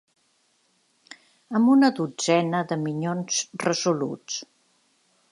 Amb una dotzena de minyons resoluts.